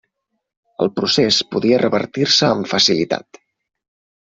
El procés podia revertir-se amb facilitat.